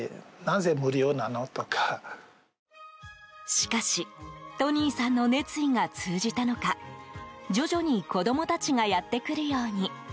しかしトニーさんの熱意が通じたのか徐々に子供たちがやってくるように。